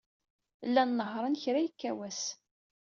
Llan nehhṛen kra yekka wass.